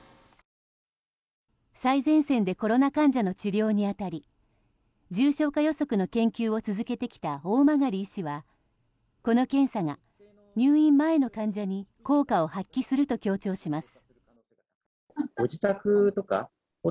最前線でコロナ患者の治療に当たり重症化予測の研究を続けてきた大曲医師はこの検査が、入院前の患者に効果を発揮すると強調します。